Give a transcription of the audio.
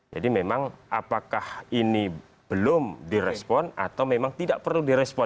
jadi memang apakah ini belum direspon atau memang tidak perlu direspon